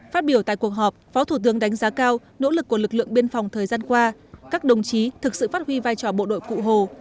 phát biểu tại cuộc họp phó thủ tướng đánh giá cao nỗ lực của lực lượng biên phòng thời gian qua các đồng chí thực sự phát huy vai trò bộ đội cụ hồ